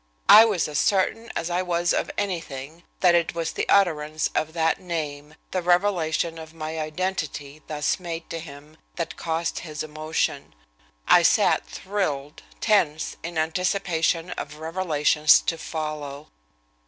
I was as certain as I was of anything that it was the utterance of that name, the revelation of my identity thus made to him, that caused his emotion. I sat thrilled, tense, in anticipation of revelations to follow.